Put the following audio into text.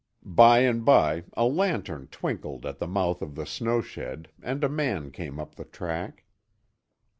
By and by a lantern twinkled at the mouth of the snow shed and a man came up the track.